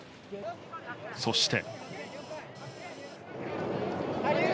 そして。